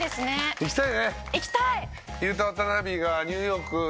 行きたい！